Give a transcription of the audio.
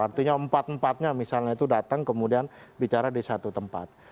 artinya empat empatnya misalnya itu datang kemudian bicara di satu tempat